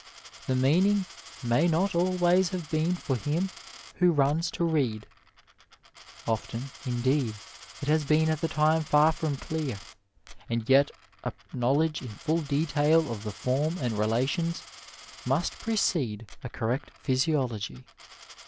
The meaning may not always have been for ^* him who runs to read ;'' often, indeed, it has been at the time far from clear ; and yet a knowledge in full detail of the form and relations must precede a correct phjrsiology.